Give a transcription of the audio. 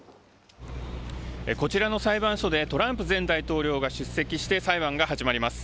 こちらの裁判所でトランプ前大統領が出席して裁判が始まります。